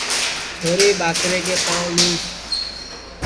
چھوری ٻاکرے پاںٚو لُس